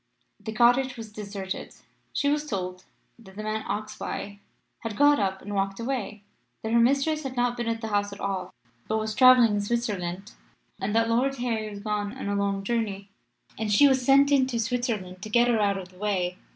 The cottage was deserted. She was told that the man Oxbye had got up and walked away; that her mistress had not been at the house at all, but was travelling in Switzerland; and that Lord Harry was gone on a long journey. And she was sent into Switzerland to get her out of the way.